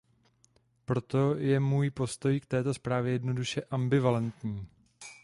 Proto je můj postoj k této zprávě jednoduše ambivalentní.